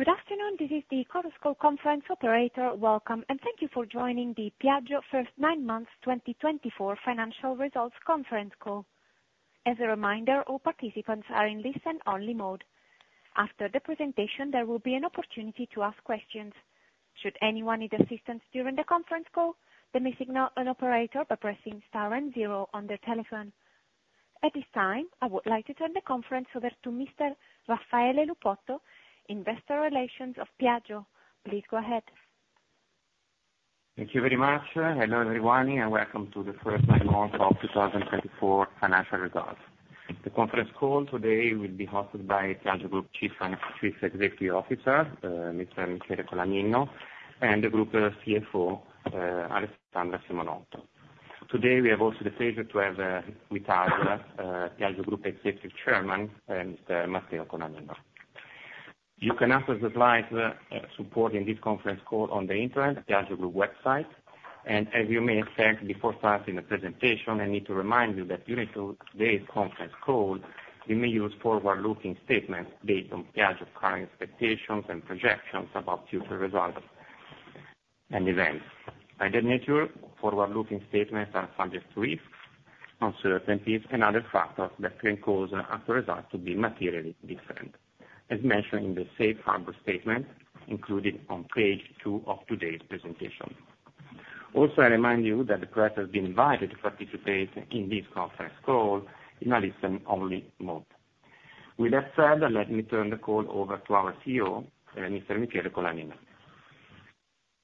Good afternoon, this is the Chorus Call Conference Operator. Welcome, and thank you for joining the Piaggio First Nine Months 2024 Financial Results Conference Call. As a reminder, all participants are in listen-only mode. After the presentation, there will be an opportunity to ask questions. Should anyone need assistance during the conference call, they may signal an operator by pressing star and zero on their telephone. At this time, I would like to turn the conference over to Mr. Raffaele Lupotto, Investor Relations of Piaggio. Please go ahead. Thank you very much. Hello, everyone, and welcome to the First Nine Months of 2024 Financial Results. The conference call today will be hosted by Piaggio Group Chief Executive Officer, Mr. Michele Colaninno, and the Group CFO, Alessandra Simonotto. Today, we have also the pleasure to have with us Piaggio Group Executive Chairman, Mr. Matteo Colaninno. You can access the slides supporting this conference call on the internet, the Piaggio Group website, and as you may have said before starting the presentation, I need to remind you that during today's conference call, we may use forward-looking statements based on Piaggio's current expectations and projections about future results and events. By that nature, forward-looking statements are subject to risks, uncertainties, and other factors that can cause a result to be materially different, as mentioned in the Safe Harbor Statement included on page two of today's presentation. Also, I remind you that the press has been invited to participate in this conference call in a listen-only mode. With that said, let me turn the call over to our CEO, Mr. Michele Colaninno.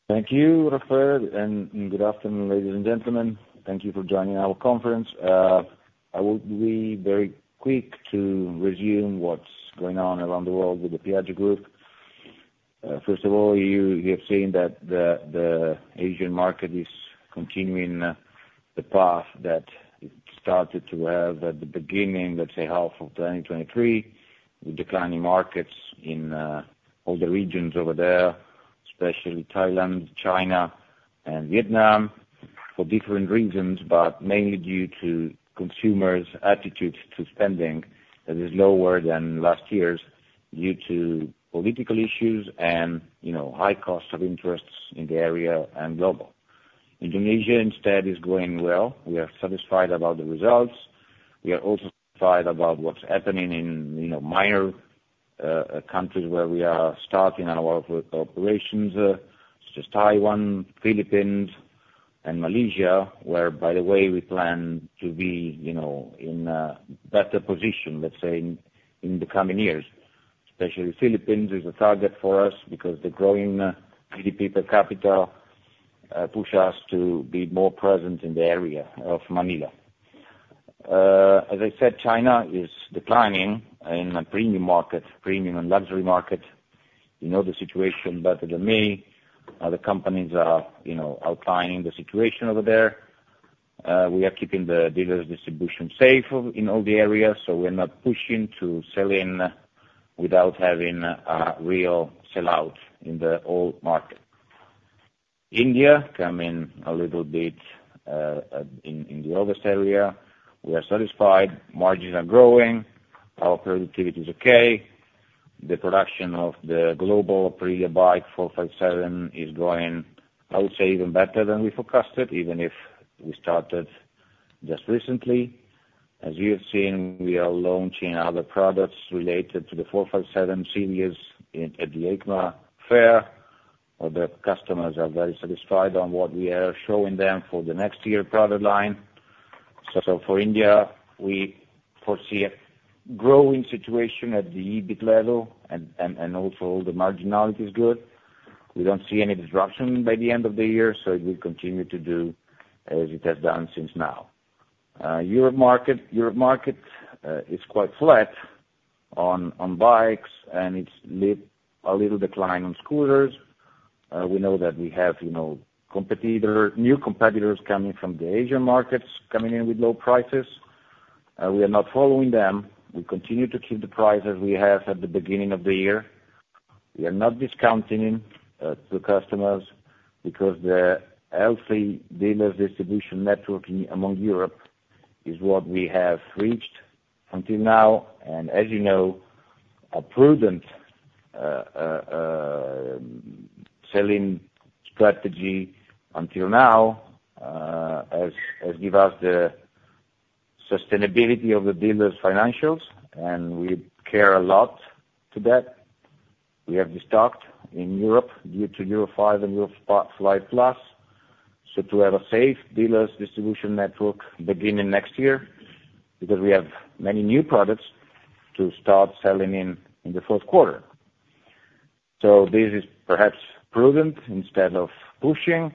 Thank you, Raffaele, and good afternoon, ladies and gentlemen. Thank you for joining our conference. I will be very quick to resume what's going on around the world with the Piaggio Group. First of all, you have seen that the Asian market is continuing the path that it started to have at the beginning, let's say, half of 2023, with declining markets in all the regions over there, especially Thailand, China, and Vietnam, for different reasons, but mainly due to consumers' attitudes to spending that is lower than last year's due to political issues and high costs of interest in the area and global. Indonesia, instead, is going well. We are satisfied about the results. We are also satisfied about what's happening in minor countries where we are starting our operations, such as Taiwan, the Philippines, and Malaysia, where, by the way, we plan to be in a better position, let's say, in the coming years. Especially, the Philippines is a target for us because the growing GDP per capita pushes us to be more present in the area of Manila. As I said, China is declining in the premium market, premium and luxury market. You know the situation better than me. Other companies are outlining the situation over there. We are keeping the dealer's distribution safe in all the areas, so we're not pushing to sell-in without having a real sell-out in the whole market. India, coming a little bit in the obvious area, we are satisfied. Margins are growing. Our productivity is okay. The production of the global pre-buy 457 is growing, I would say, even better than we forecasted, even if we started just recently. As you have seen, we are launching other products related to the 457 series at the EICMA Fair, where the customers are very satisfied on what we are showing them for the next year product line. So for India, we foresee a growing situation at the EBIT level and also the marginality is good. We don't see any disruption by the end of the year, so it will continue to do as it has done since now. Europe market is quite flat on bikes, and it's a little decline on scooters. We know that we have new competitors coming from the Asian markets, coming in with low prices. We are not following them. We continue to keep the prices we have at the beginning of the year. We are not discounting to customers because the healthy dealers' distribution network in Europe is what we have reached until now and, as you know, a prudent selling strategy until now has given us the sustainability of the dealers' financials, and we care a lot about that. We have restocked in Europe due to Euro 5 and Euro 5+, so to have a safe dealers' distribution network beginning next year because we have many new products to start selling in the fourth quarter, so this is perhaps prudent instead of pushing,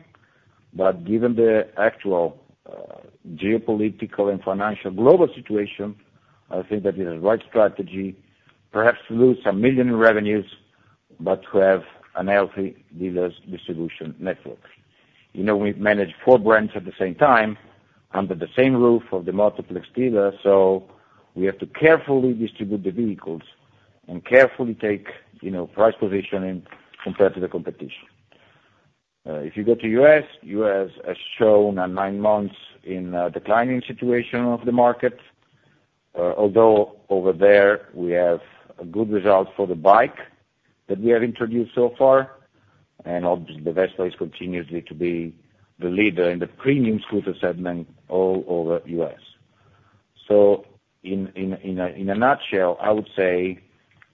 but given the actual geopolitical and financial global situation, I think that it is a right strategy perhaps to lose some million in revenues, but to have a healthy dealers' distribution network. We manage four brands at the same time under the same roof of the multiplex dealer, so we have to carefully distribute the vehicles and carefully take price positioning compared to the competition. If you go to the U.S., the U.S. has shown a nine-month declining situation of the market, although over there we have a good result for the bike that we have introduced so far, and the Vespa is continuously to be the leader in the premium scooter segment all over the U.S., so in a nutshell, I would say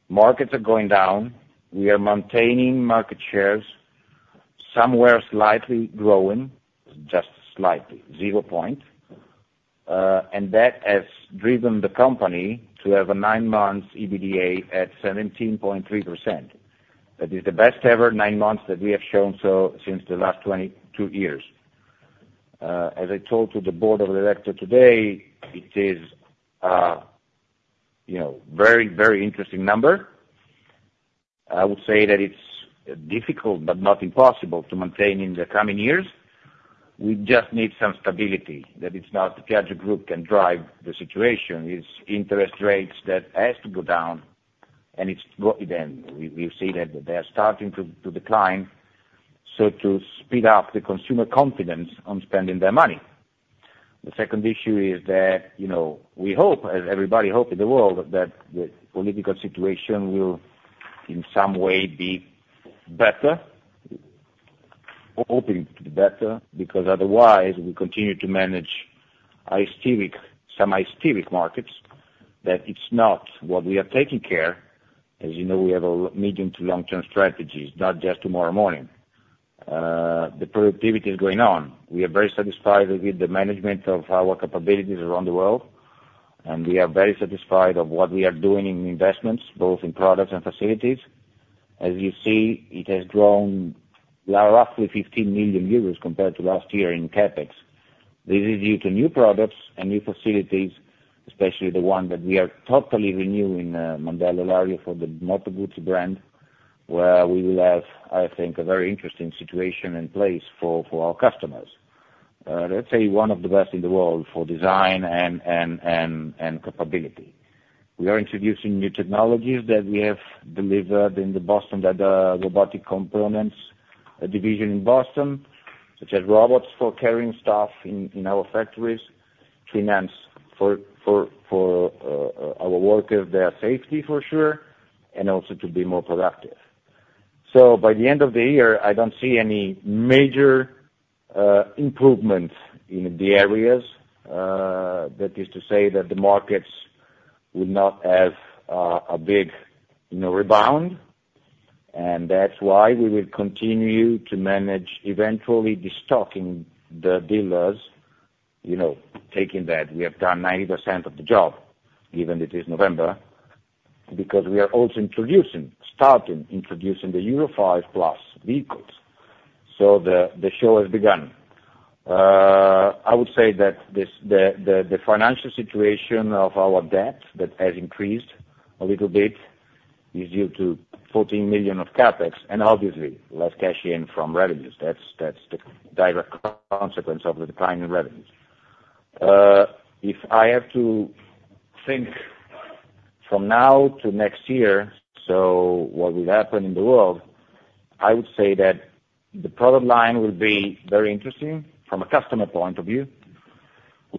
markets are going down. We are maintaining market shares, somewhere slightly growing, just slightly, zero point, and that has driven the company to have a nine-month EBITDA at 17.3%. That is the best-ever nine months that we have shown since the last 22 years. As I told to the board of directors today, it is a very, very interesting number. I would say that it's difficult, but not impossible, to maintain in the coming years. We just need some stability, that it's not the Piaggio Group that can drive the situation. It's interest rates that have to go down, and we've seen that they are starting to decline, so to speed up the consumer confidence on spending their money. The second issue is that we hope, as everybody hopes in the world, that the political situation will in some way be better, hoping to be better, because otherwise we continue to manage some miserable markets, that it's not what we are taking care. As you know, we have a medium to long-term strategy, not just tomorrow morning. The productivity is going on. We are very satisfied with the management of our capabilities around the world, and we are very satisfied with what we are doing in investments, both in products and facilities. As you see, it has grown roughly 15 million euros compared to last year in CapEx. This is due to new products and new facilities, especially the one that we are totally renewing Mandello del Lario for the Moto Guzzi brand, where we will have, I think, a very interesting situation in place for our customers. Let's say one of the best in the world for design and capability. We are introducing new technologies that we have delivered in the Boston robotics components division in Boston, such as robots for carrying stuff in our factories, enhance for our workers, their safety for sure, and also to be more productive. By the end of the year, I don't see any major improvements in the areas. That is to say that the markets will not have a big rebound, and that's why we will continue to manage eventually destocking the dealers, taking that we have done 90% of the job, given it is November, because we are also introducing, starting introducing the Euro 5+ vehicles. So the show has begun. I would say that the financial situation of our debt that has increased a little bit is due to 14 million of CAPEX, and obviously less cash in from revenues. That's the direct consequence of the declining revenues. If I have to think from now to next year, so what will happen in the world, I would say that the product line will be very interesting from a customer point of view.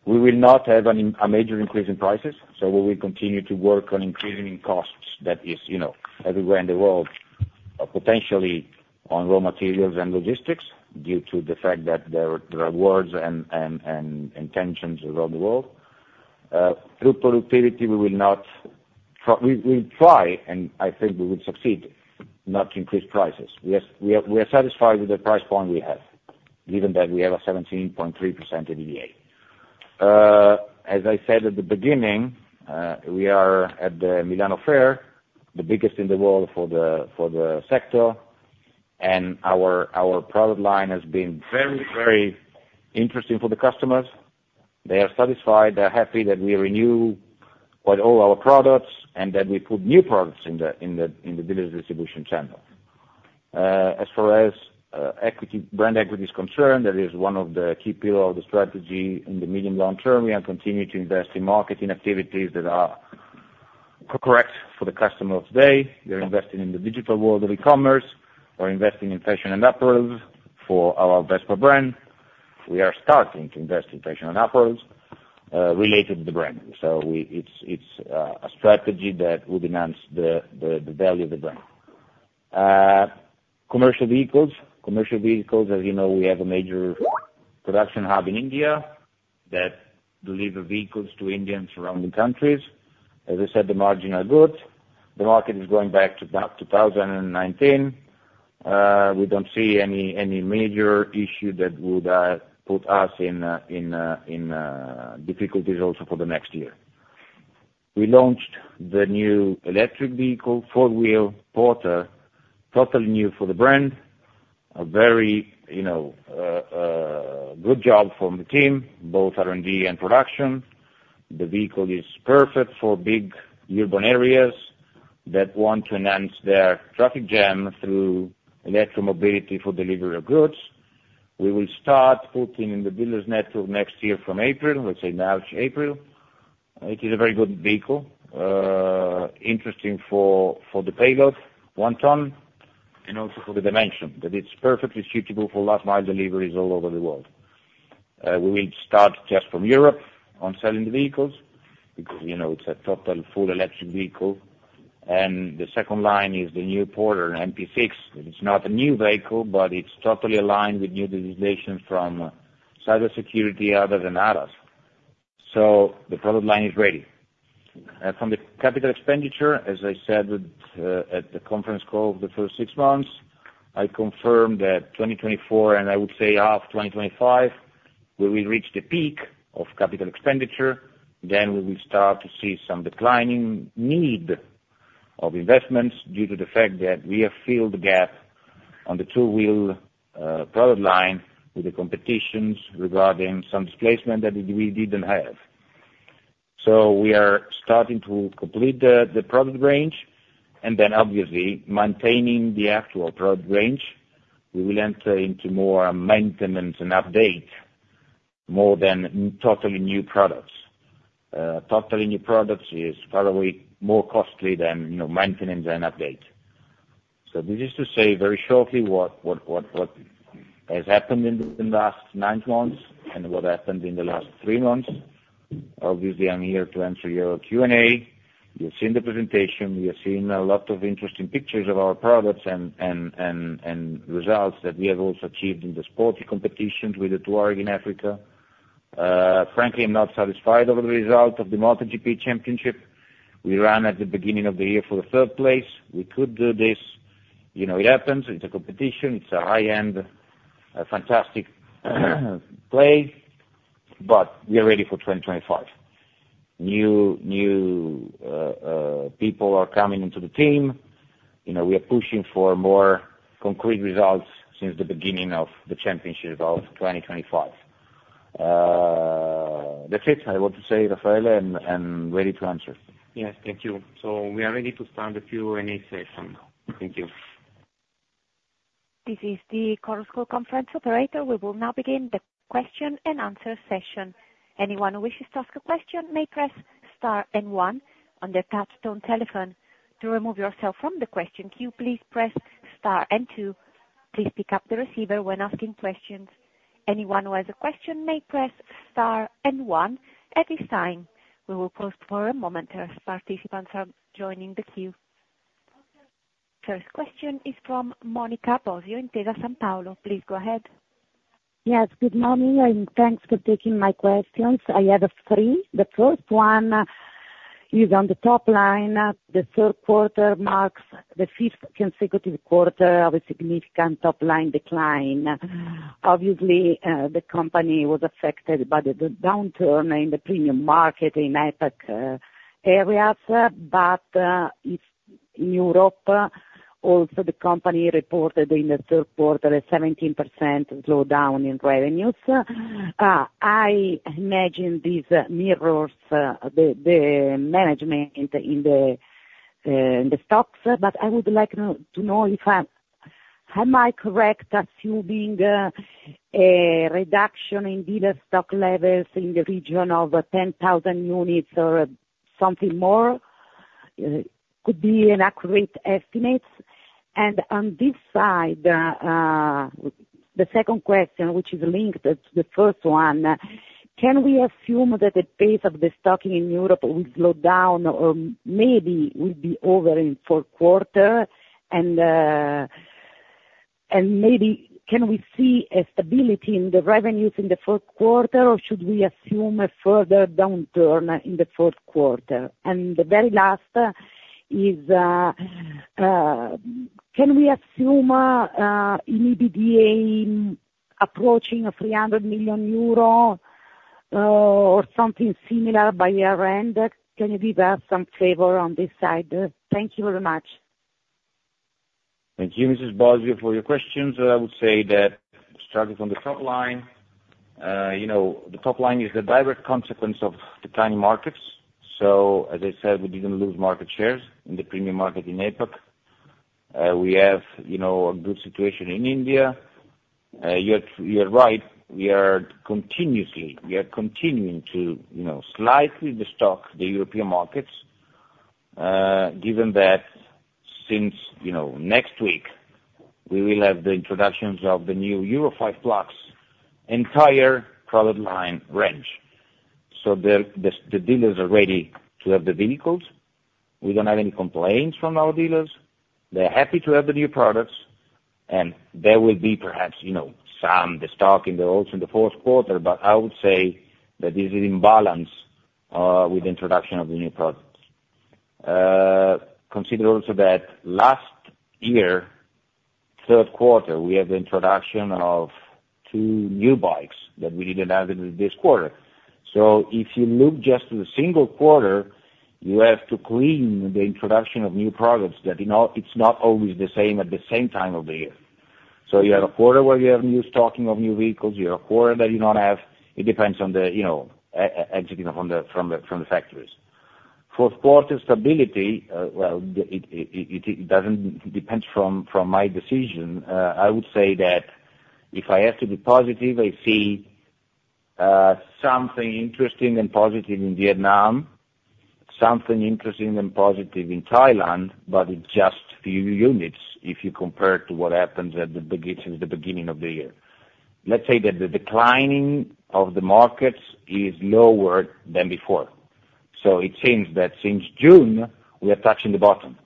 We will not have a major increase in prices, so we will continue to work on increasing costs that is everywhere in the world, potentially on raw materials and logistics due to the fact that there are wars and tensions around the world. Through productivity, we will not try, and I think we will succeed, not to increase prices. We are satisfied with the price point we have, given that we have a 17.3% EBITDA. As I said at the beginning, we are at the Milano Fair, the biggest in the world for the sector, and our product line has been very, very interesting for the customers. They are satisfied. They are happy that we renew all our products and that we put new products in the dealer's distribution channel. As far as brand equity is concerned, that is one of the key pillars of the strategy in the medium-long term. We have continued to invest in marketing activities that are correct for the customer of today. We are investing in the digital world of e-commerce or investing in fashion and apparel for our Vespa brand. We are starting to invest in fashion and apparel related to the brand. So it's a strategy that will enhance the value of the brand. Commercial vehicles. Commercial vehicles, as you know, we have a major production hub in India that delivers vehicles to Indian surrounding countries. As I said, the margins are good. The market is going back to 2019. We don't see any major issue that would put us in difficulties also for the next year. We launched the new electric vehicle, four-wheel Porter, totally new for the brand. A very good job from the team, both R&D and production. The vehicle is perfect for big urban areas that want to enhance their traffic jam through electromobility for delivery of goods. We will start putting in the dealer's network next year from April, let's say now April. It is a very good vehicle, interesting for the payload, one ton, and also for the dimension that it's perfectly suitable for last-mile deliveries all over the world. We will start just from Europe on selling the vehicles because it's a total full electric vehicle. The second line is the new Porter NP6. It's not a new vehicle, but it's totally aligned with new legislation from cybersecurity others and others. So the product line is ready. From the CapEx, as I said at the conference call of the first six months, I confirmed that 2024, and I would say half 2025, we will reach the peak of CapEx. Then we will start to see some declining need of investments due to the fact that we have filled the gap on the two-wheel product line with the competitions regarding some displacement that we didn't have. So we are starting to complete the product range, and then obviously maintaining the actual product range. We will enter into more maintenance and update, more than totally new products. Totally new products is probably more costly than maintenance and update. So this is to say very shortly what has happened in the last nine months and what happened in the last three months. Obviously, I'm here to answer your Q&A. You've seen the presentation. You've seen a lot of interesting pictures of our products and results that we have also achieved in the sporting competitions with the Tuareg in Africa. Frankly, I'm not satisfied over the result of the MotoGP Championship. We ran at the beginning of the year for the third place. We could do this. It happens. It's a competition. It's a high-end, fantastic play, but we are ready for 2025. New people are coming into the team. We are pushing for more concrete results since the beginning of the championship of 2025. That's it. I want to say, Raffaele, I'm ready to answer. Yes, thank you. So we are ready to start the Q&A session. Thank you. This is the CloudScope Conference Operator. We will now begin the question and answer session. Anyone who wishes to ask a question may press star and one on their touch-tone telephone. To remove yourself from the queue, can you please press star and two? Please pick up the receiver when asking questions. Anyone who has a question may press star and one at this time. We will pause for a moment as participants are joining the queue. First question is from Monica Bosio at Intesa Sanpaolo. Please go ahead. Yes, good morning, and thanks for taking my questions. I have three. The first one is on the top line. The third quarter marks the fifth consecutive quarter of a significant top-line decline. Obviously, the company was affected by the downturn in the premium market in APAC areas, but in Europe, also the company reported in the third quarter a 17% slowdown in revenues. I imagine this mirrors the destocking in the stocks, but I would like to know if I'm correct assuming a reduction in dealer stock levels in the region of 10,000 units or something more. It could be an accurate estimate. And on this side, the second question, which is linked to the first one, can we assume that the pace of the stock in Europe will slow down or maybe will be over in the fourth quarter? And maybe can we see a stability in the revenues in the fourth quarter, or should we assume a further downturn in the fourth quarter? And the very last is, can we assume an EBITDA approaching 300 million euro or something similar by year-end? Can you give us some flavor on this side? Thank you very much. Thank you, Mrs. Bosio, for your questions. I would say that starting from the top line, the top line is the direct consequence of declining markets. So as I said, we didn't lose market shares in the premium market in APAC. We have a good situation in India. You are right. We are continuously continuing to slightly destock the European markets, given that since next week, we will have the introductions of the new Euro 5+ entire product line range. So the dealers are ready to have the vehicles. We don't have any complaints from our dealers. They're happy to have the new products, and there will be perhaps some destocking also in the fourth quarter, but I would say that this is in balance with the introduction of the new products. Consider also that last year, third quarter, we had the introduction of two new bikes that we didn't have this quarter. So if you look just to the single quarter, you have to clean the introduction of new products that it's not always the same at the same time of the year. So you have a quarter where you have new stocking of new vehicles. You have a quarter that you don't have. It depends on the exiting from the factories. For quarter stability, well, it depends from my decision. I would say that if I have to be positive, I see something interesting and positive in Vietnam, something interesting and positive in Thailand, but it's just a few units if you compare to what happens at the beginning of the year. Let's say that the declining of the markets is lower than before. So it seems that since June, we are touching the bottom.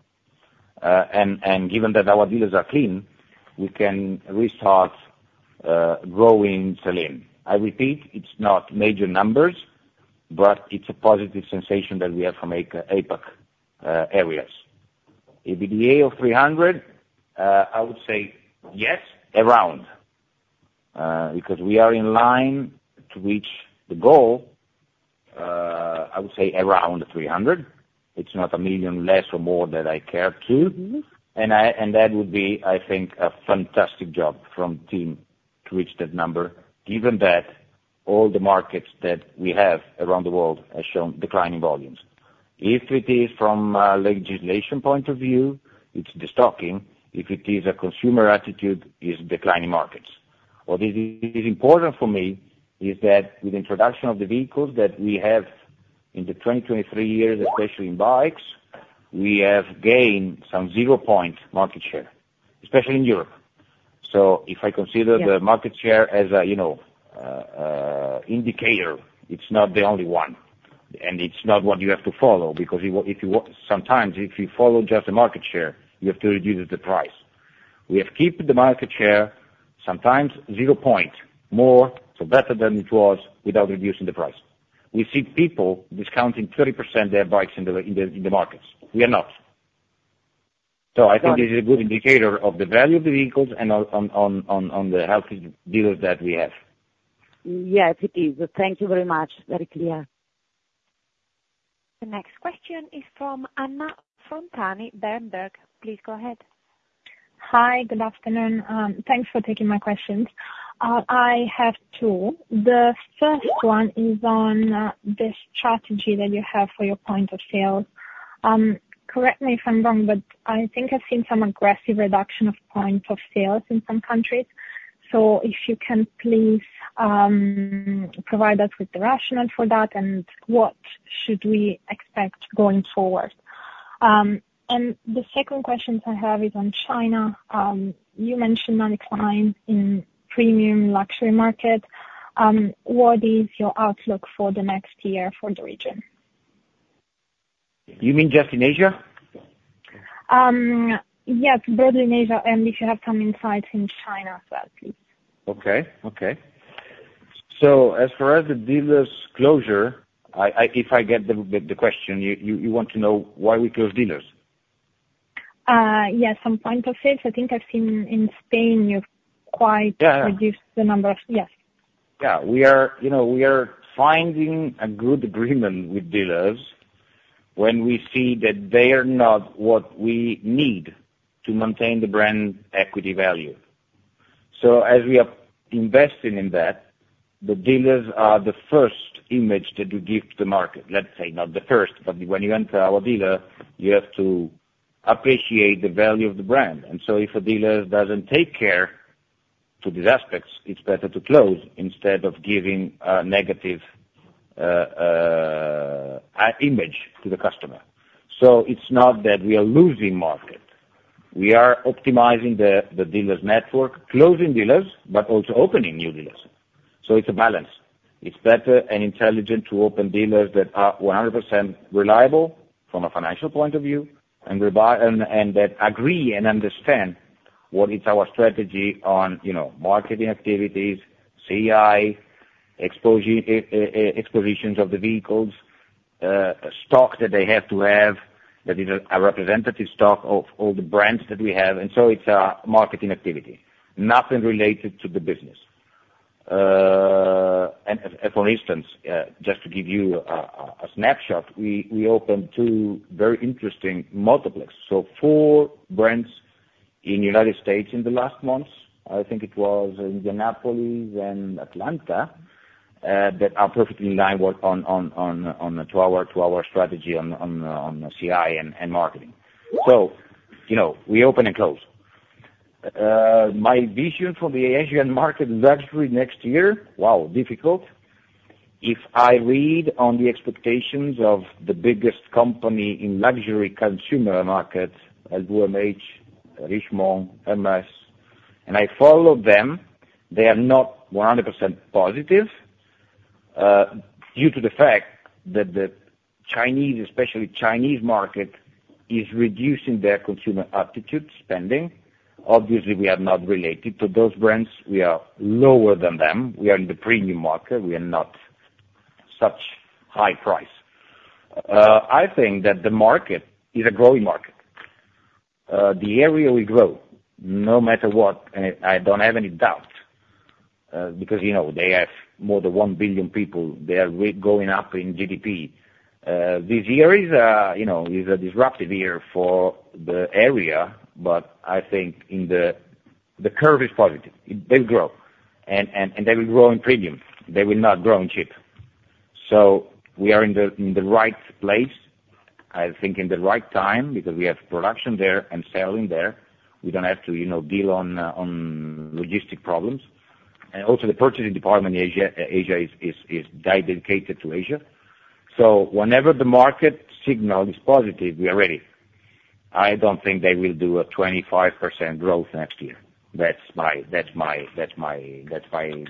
And given that our dealers are clean, we can restart growing selling. I repeat, it's not major numbers, but it's a positive sensation that we have from APAC areas. EBITDA of 300, I would say yes, around, because we are in line to reach the goal, I would say around 300. It's not a million less or more that I care to. That would be, I think, a fantastic job from the team to reach that number, given that all the markets that we have around the world have shown declining volumes. If it is from a legislation point of view, it's destocking. If it is a consumer attitude, it's declining markets. What is important for me is that with the introduction of the vehicles that we have in the 2023 years, especially in bikes, we have gained some zero-point market share, especially in Europe. If I consider the market share as an indicator, it's not the only one, and it's not what you have to follow because sometimes if you follow just the market share, you have to reduce the price. We have kept the market share sometimes zero point more, so better than it was without reducing the price. We see people discounting 30% their bikes in the markets. We are not. So I think this is a good indicator of the value of the vehicles and on the healthy dealers that we have. Yes, it is. Thank you very much. Very clear. The next question is from Anna Frontini, Berenberg. Please go ahead. Hi, good afternoon. Thanks for taking my questions. I have two. The first one is on this strategy that you have for your point of sale. Correct me if I'm wrong, but I think I've seen some aggressive reduction of points of sales in some countries. So if you can please provide us with the rationale for that and what should we expect going forward. And the second question I have is on China. You mentioned main line in premium luxury market. What is your outlook for the next year for the region? You mean just in Asia? Yes, broadly in Asia. And if you have some insights in China as well, please. Okay. Okay. So as far as the dealers' closure, if I get the question, you want to know why we close dealers? Yes, some point of sales. I think I've seen in Spain you've quite reduced the number of. Yeah. Yeah. We are finding a good agreement with dealers when we see that they are not what we need to maintain the brand equity value. So as we are investing in that, the dealers are the first image that you give to the market. Let's say not the first, but when you enter our dealer, you have to appreciate the value of the brand. If a dealer doesn't take care to these aspects, it's better to close instead of giving a negative image to the customer. So it's not that we are losing market. We are optimizing the dealers' network, closing dealers, but also opening new dealers. So it's a balance. It's better and intelligent to open dealers that are 100% reliable from a financial point of view and that agree and understand what is our strategy on marketing activities, CI, expositions of the vehicles, stock that they have to have that is a representative stock of all the brands that we have. And so it's a marketing activity, nothing related to the business. And for instance, just to give you a snapshot, we opened two very interesting multiplex. Four brands in the United States in the last months, I think it was Indianapolis and Atlanta, that are perfectly in line to our strategy on CI and marketing. We open and close. My vision for the Asian market is actually next year, wow, difficult. If I read on the expectations of the biggest company in luxury consumer market, LVMH, Richemont, Hermès, and I follow them, they are not 100% positive due to the fact that the Chinese, especially Chinese market, is reducing their consumer appetite spending. Obviously, we are not related to those brands. We are lower than them. We are in the premium market. We are not such high price. I think that the market is a growing market. The area will grow no matter what. I don't have any doubt because they have more than 1 billion people. They are going up in GDP. This year is a disruptive year for the area, but I think the curve is positive. They will grow, and they will grow in premium. They will not grow in cheap, so we are in the right place. I think in the right time because we have production there and selling there. We don't have to deal with logistics problems, and also the purchasing department in Asia is dedicated to Asia, so whenever the market signal is positive, we are ready. I don't think they will do a 25% growth next year. That's my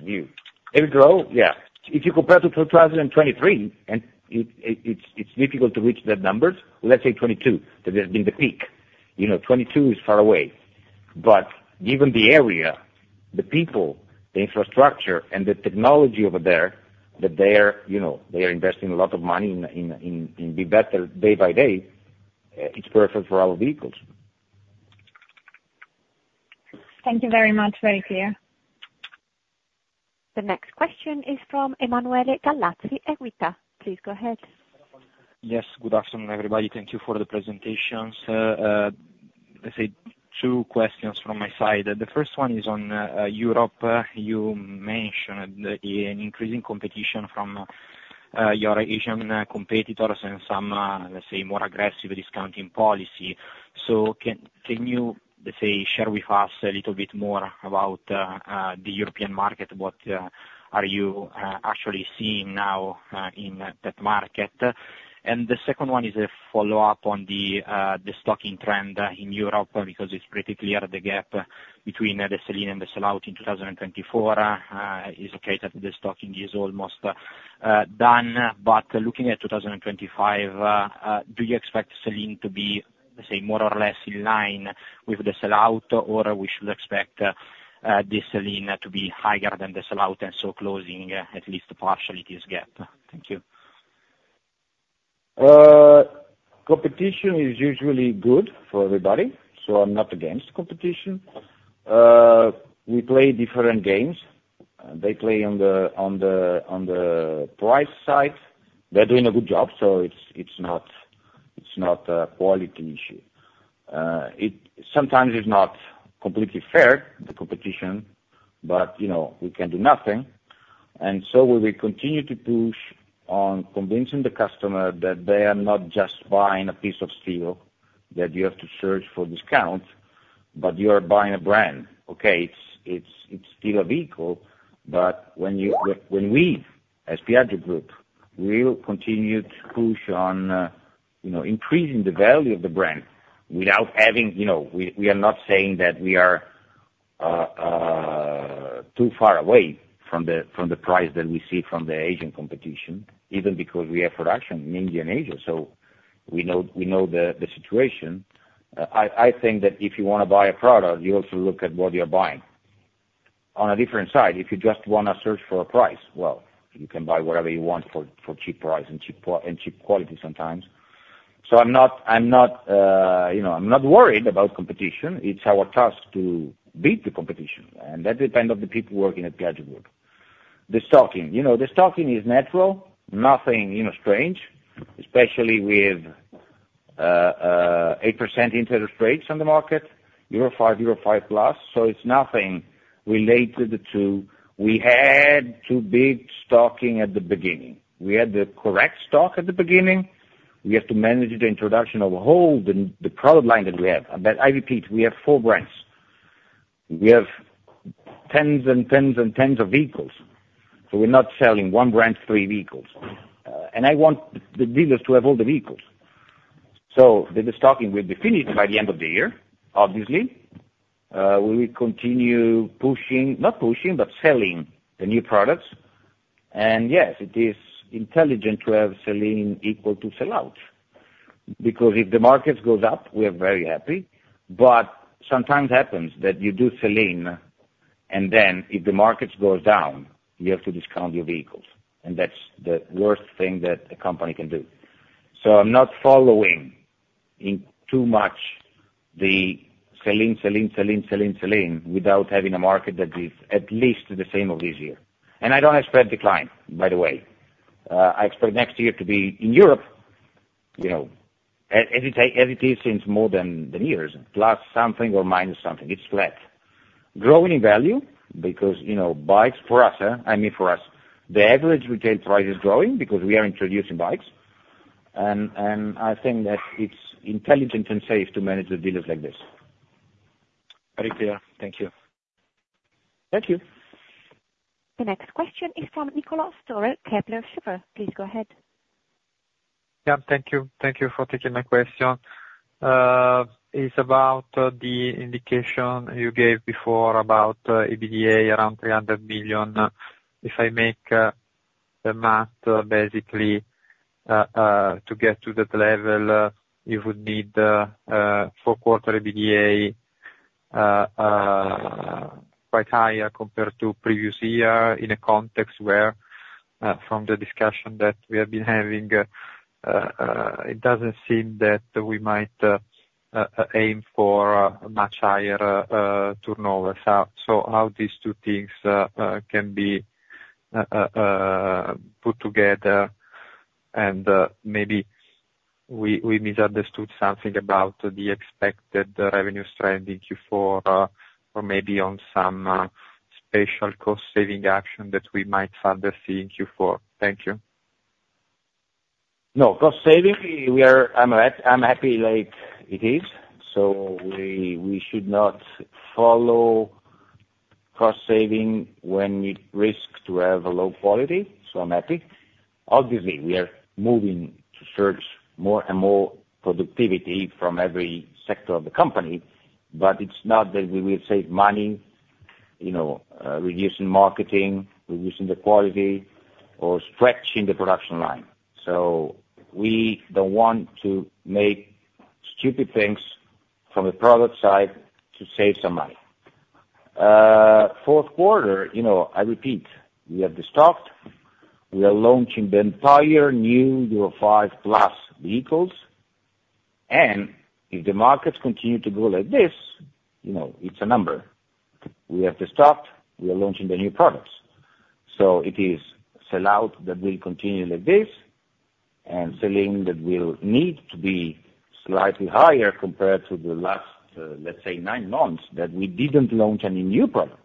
view. They will grow, yeah. If you compare to 2023, and it's difficult to reach that number, let's say 22, that has been the peak. 22 is far away. But given the area, the people, the infrastructure, and the technology over there, that they are investing a lot of money in being better day by day, it's perfect for our vehicles. Thank you very much, very clear. The next question is from Emanuele Gallazzi, Equita. Please go ahead. Yes, good afternoon, everybody. Thank you for the presentations. Let's say two questions from my side. The first one is on Europe. You mentioned an increasing competition from your Asian competitors and some, let's say, more aggressive discounting policy. So can you, let's say, share with us a little bit more about the European market? What are you actually seeing now in that market? And the second one is a follow-up on the stocking trend in Europe because it's pretty clear the gap between the sell-in and the sell-out in 2024 is okay, that the stocking is almost done. But looking at 2025, do you expect sell-in to be, let's say, more or less in line with the sell-out, or we should expect this sell-in to be higher than the sell-out and so closing at least partially this gap? Thank you. Competition is usually good for everybody, so I'm not against competition. We play different games. They play on the price side. They're doing a good job, so it's not a quality issue. Sometimes it's not completely fair, the competition, but we can do nothing. And so we will continue to push on convincing the customer that they are not just buying a piece of steel that you have to search for discount, but you are buying a brand. Okay, it's still a vehicle, but when we, as Piaggio Group, will continue to push on increasing the value of the brand without having we are not saying that we are too far away from the price that we see from the Asian competition, even because we have production in India and Asia. So we know the situation. I think that if you want to buy a product, you also look at what you're buying. On a different side, if you just want to search for a price, well, you can buy whatever you want for cheap price and cheap quality sometimes. So I'm not worried about competition. It's our task to beat the competition. And that depends on the people working at Piaggio Group. The stocking. The stocking is natural, nothing strange, especially with 8% interest rates on the market, Euro 5, Euro 5+. It's nothing related to we had to beat stocking at the beginning. We had the correct stock at the beginning. We have to manage the introduction of the whole product line that we have. I repeat, we have four brands. We have tens and tens and tens of vehicles. We're not selling one brand, three vehicles. I want the dealers to have all the vehicles. The stocking will be finished by the end of the year, obviously. We will continue pushing, not pushing, but selling the new products. Yes, it is intelligent to have sell-in equal to sell-out because if the market goes up, we are very happy. Sometimes it happens that you do sell-in, and then if the market goes down, you have to discount your vehicles. That's the worst thing that a company can do. So I'm not following in too much the sell-in, sell-in, sell-in, sell-in, sell-in without having a market that is at least the same of this year. And I don't expect decline, by the way. I expect next year to be in Europe, as it is since more than years, plus something or minus something. It's flat. Growing in value because bikes for us, I mean, for us, the average retail price is growing because we are introducing bikes. And I think that it's intelligent and safe to manage the dealers like this. Very clear. Thank you. Thank you. The next question is from Niccolò Storer, Kepler Cheuvreux. Please go ahead. Yeah, thank you. Thank you for taking my question. It's about the indication you gave before about EBITDA around 300 million. If I do the math, basically, to get to that level, you would need four-quarter EBITDA quite high compared to previous year in a context where, from the discussion that we have been having, it doesn't seem that we might aim for much higher turnover. So how these two things can be put together, and maybe we misunderstood something about the expected revenue strength in Q4 or maybe on some special cost-saving action that we might rather see in Q4. Thank you. No, cost-saving, I'm happy like it is. So we should not follow cost-saving when we risk to have a low quality. So I'm happy. Obviously, we are moving to search more and more productivity from every sector of the company, but it's not that we will save money reducing marketing, reducing the quality, or stretching the production line. So we don't want to make stupid things from the product side to save some money. Fourth quarter, I repeat, we have the stock. We are launching the entire new Euro 5+ vehicles. And if the markets continue to go like this, it's a number. We have the stock. We are launching the new products. So it is sell-out that will continue like this and sell-in that will need to be slightly higher compared to the last, let's say, nine months that we didn't launch any new product.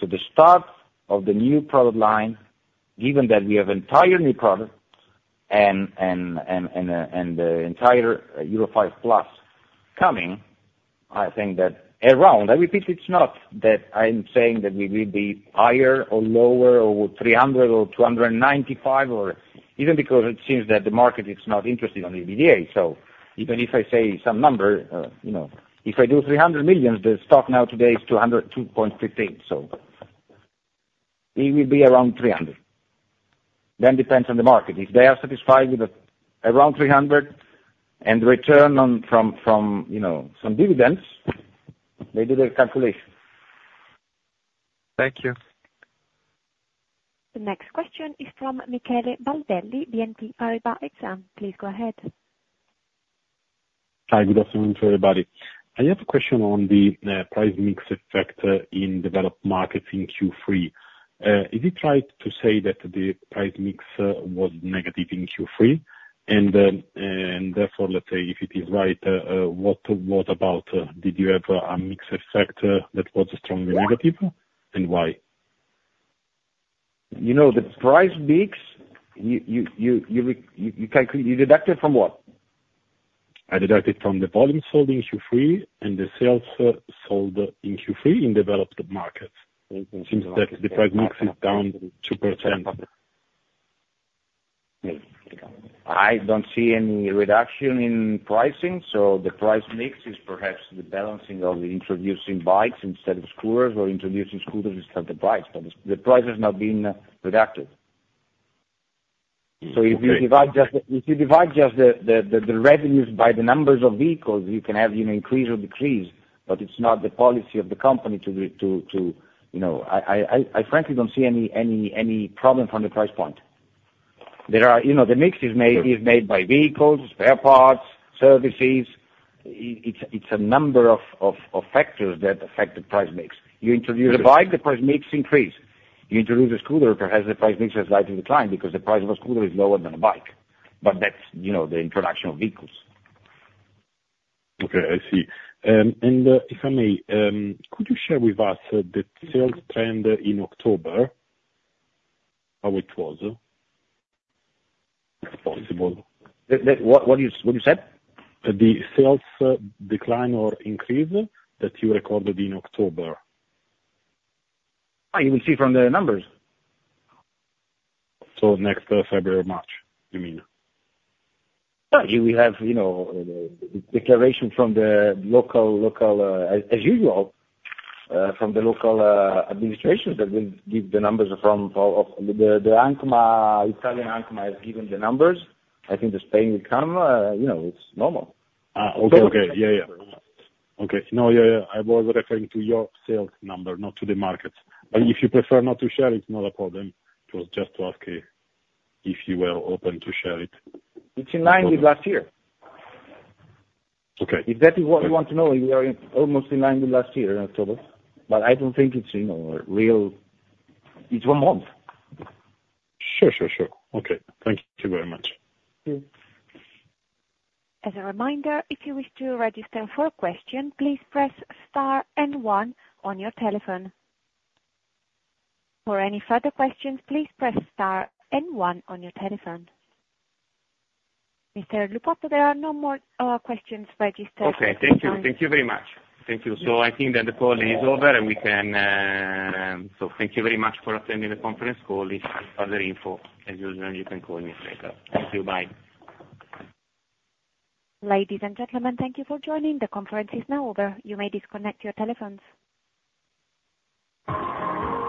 So the start of the new product line, given that we have entire new products and the entire Euro 5 Plus coming, I think that around, I repeat, it's not that I'm saying that we will be higher or lower or 300 or 295 or even because it seems that the market is not interested on EBITDA. So even if I say some number, if I do 300 million, the stock now today is 2.15. So it will be around 300. Then it depends on the market. If they are satisfied with around 300 and return from some dividends, they do their calculation. Thank you. The next question is from Michele Baldelli, BNP Paribas Exane. Please go ahead. Hi, good afternoon to everybody. I have a question on the price mix effect in developed markets in Q3. Is it right to say that the price mix was negative in Q3? And therefore, let's say, if it is right, what about did you have a mix effect that was strongly negative and why? The price mix, you deduct it from what? I deduct it from the volume sold in Q3 and the sales sold in Q3 in developed markets. It seems that the price mix is down 2%. I don't see any reduction in pricing. So the price mix is perhaps the balancing of introducing bikes instead of scooters or introducing scooters instead of the bikes. But the price has not been reduced. So if you divide just the revenues by the numbers of vehicles, you can have an increase or decrease, but it's not the policy of the company to. I frankly don't see any problem from the price point. The mix is made by vehicles, spare parts, services. It's a number of factors that affect the price mix. You introduce a bike, the price mix increases. You introduce a scooter, perhaps the price mix has slightly declined because the price of a scooter is lower than a bike. But that's the introduction of vehicles. Okay, I see. And if I may, could you share with us the sales trend in October, how it was? If possible. What did you say? The sales decline or increase that you recorded in October. You will see from the numbers. So next February, March, you mean? We have a declaration from the local, as usual, from the local administration that will give the numbers from the Italian ANCMA has given the numbers. I think the Spain will come. It's normal. Okay, okay. Yeah, yeah. Okay. No, yeah, yeah. I was referring to your sales number, not to the market. But if you prefer not to share it, not a problem. It was just to ask if you were open to share it. It's in line with last year. If that is what you want to know, we are almost in line with last year in October. But I don't think it's a real it's one month. Sure, sure, sure. Okay. Thank you very much. As a reminder, if you wish to register for a question, please press star and one on your telephone. For any further questions, please press star and one on your telephone. Mr. Lupotto, there are no more questions registered. Okay, thank you. Thank you very much. Thank you. So I think that the call is over and we can so thank you very much for attending the conference call. If you have other info, as usual, you can call me later. Thank you. Bye. Ladies and gentlemen, thank you for joining. The conference is now over. You may disconnect your telephones.